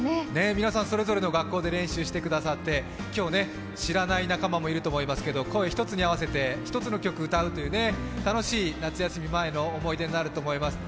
皆さんそれぞれの学校で練習してくださって、今日、知らない仲間もいると思いますけど、声を一つに合わせて一つの歌を歌うというね楽しい夏休み前の思い出になると思います。